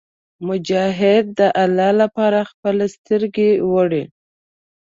مجاهد د الله لپاره خپلې سترګې وړي.